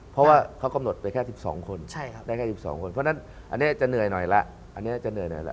เพราะว่าเขากำหนดไปแค่๑๒คนได้แค่๑๒คนเพราะฉะนั้นอันนี้จะเหนื่อยหน่อยละ